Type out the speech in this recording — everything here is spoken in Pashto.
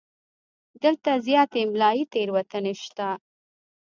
دلته زیاتې املایي تېروتنې شته.